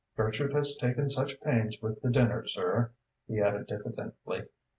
Gertrude has taken such pains with the dinner, sir," he added diffidently.